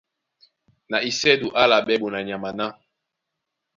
Na isɛ́du á álaɓɛ́ ɓonanyama ná: